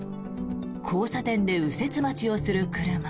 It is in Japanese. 交差点で右折待ちをする車。